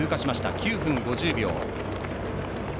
９分５０秒。